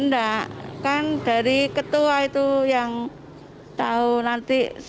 enggak kan dari ketua itu yang tahu nanti